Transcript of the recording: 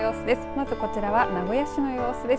まずこちらは名古屋市の様子です。